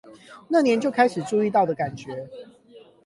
那年就開始注意到的感覺